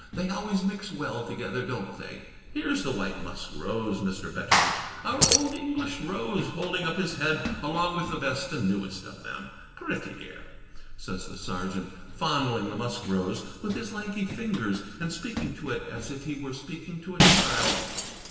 They always mix well together, don't they? Here's the white musk rose, Mr. Betteredge — our old English rose holding up his head along with the best and newest of them. Pretty dear!" says the Sergeant, fondling the musk rose with his lanky fingers, and speaking to it as if he were speaking to a child.